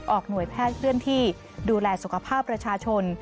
หน่วยแพทย์เคลื่อนที่ดูแลสุขภาพประชาชน